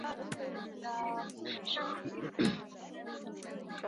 此举违反了新民主党党章中禁止党员同时在另一个联邦政党中持有党籍的规定。